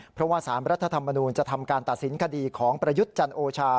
เพราะว่า๓รัฐธรรมนูลจะทำการตัดสินคดีของประยุทธ์จันโอชา